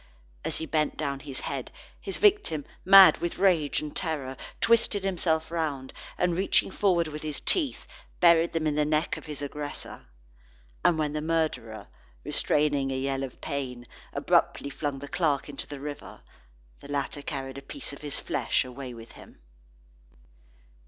As he bent down his head, his victim, mad with rage and terror, twisted himself round, and reaching forward with his teeth, buried them in the neck of his aggressor. And when the murderer, restraining a yell of pain, abruptly flung the clerk into the river, the latter carried a piece of his flesh away with him.